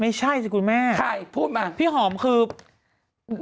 ไม่ใช่สิคุณแม่พี่หอมคือพูดมา